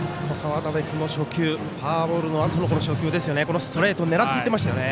渡部の初球フォアボールのあとのこの初球ですよね、ストレート狙っていってましたよね。